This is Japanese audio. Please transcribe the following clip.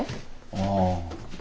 ああ。